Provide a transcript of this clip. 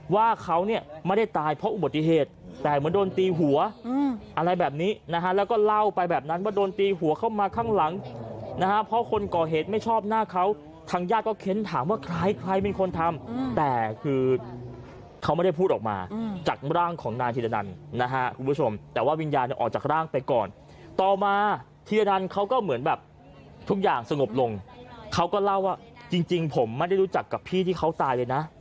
ว่าเขาเนี่ยไม่ได้ตายเพราะอุบัติเหตุแต่เหมือนโดนตีหัวอะไรแบบนี้นะฮะแล้วก็เล่าไปแบบนั้นว่าโดนตีหัวเข้ามาข้างหลังนะฮะเพราะคนก่อเหตุไม่ชอบหน้าเขาทางญาติก็เค้นถามว่าใครเป็นคนทำแต่คือเขาไม่ได้พูดออกมาจากร่างของนายทีละนั้นนะฮะคุณผู้ชมแต่ว่าวิญญาณออกจากร่างไปก่อนต่อมาทีละนั้นเขาก็เหมือน